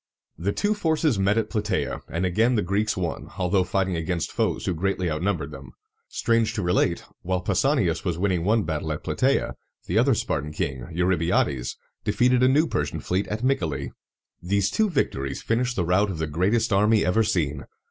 The two forces met at Pla tæ´a, and again the Greeks won, although fighting against foes who greatly outnumbered them. Strange to relate, while Pausanias was winning one battle at Platæa, the other Spartan king, Eurybiades, defeated a new Persian fleet at Myc´a le. These two victories finished the rout of the greatest army ever seen.